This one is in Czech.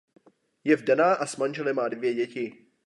Je vdaná a s manželem má dvě děti.